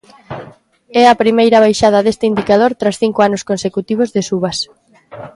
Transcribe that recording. É a primeira baixada deste indicador tras cinco anos consecutivos de subas.